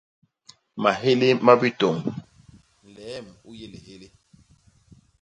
Mahélé ma bitôñ; nleem u yé lihélé.